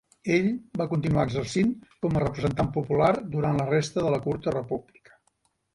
Ell va continuar exercint com a representant popular durant la resta de la curta República.